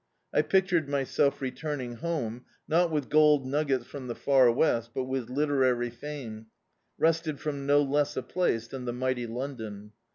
I pictured myself returning home, not with gold nuggets from the far West, but with literary fame, wrested from no less a place than the mighty London.